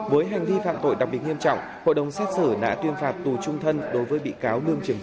với hành vi phạm tội đặc biệt nghiêm trọng hội đồng xét xử đã tuyên phạt tù trung thân đối với bị cáo lương trường